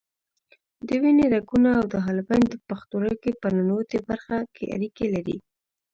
د وینې رګونه او حالبین د پښتورګي په ننوتي برخه کې اړیکې لري.